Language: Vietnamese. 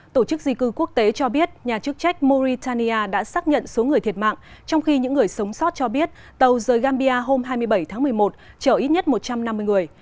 tổ chức di cư quốc tế cho biết nhà chức trách mauritania đã xác nhận số người thiệt mạng trong khi những người sống sót cho biết tàu rời gambia hôm hai mươi bảy tháng một mươi một chở ít nhất một trăm năm mươi người